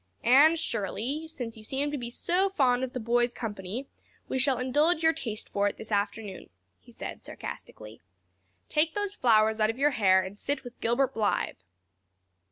"Anne Shirley, since you seem to be so fond of the boys' company we shall indulge your taste for it this afternoon," he said sarcastically. "Take those flowers out of your hair and sit with Gilbert Blythe."